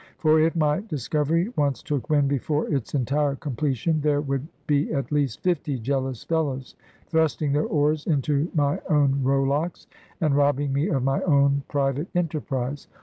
For if my discovery once took wind before its entire completion, there would be at least fifty jealous fellows thrusting their oars into my own rowlocks, and robbing me of my own private enterprise.